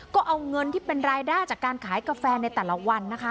ก็เอาเงินที่เป็นรายได้จากการขายกาแฟในแต่ละวันนะคะ